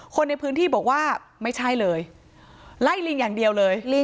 คนในพื้นที่บอกว่าไม่ใช่เลยไล่ลิงอย่างเดียวเลยลิง